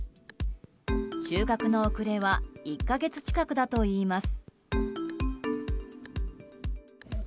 収穫の遅れは１か月近くだといいます。